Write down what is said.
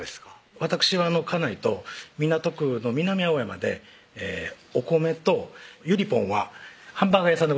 わたくしは家内と港区の南青山でお米とゆりぽんはハンバーガー屋さんです